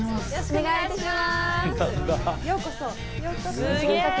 お願いしまーす。